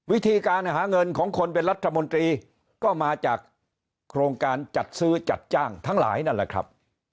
วิธีการหาเงินของคนเป็นรัฐมนตรีก็มาจากโครงการจัดซื้อจัดจ้างทั้งหลายนั่นแหละครับ